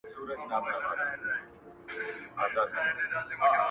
دا کیسه موږ ته را پاته له پېړیو!!